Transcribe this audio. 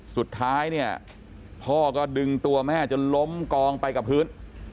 สุดท้ายเนี่ยพ่อก็ดึงตัวแม่จนล้มกองไปกับพื้น